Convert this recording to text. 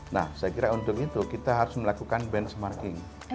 nah saya kira untuk itu kita harus melakukan benchmarking